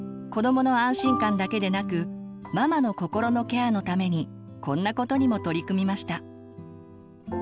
子どもの安心感だけでなくママの心のケアのためにこんなことにも取り組みました。